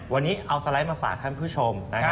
วันนี้เอาสไลด์มาฝากท่านผู้ชม